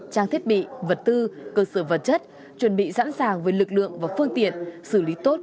trang thiết bị vật tư cơ sở vật chất chuẩn bị sẵn sàng về lực lượng và phương tiện xử lý tốt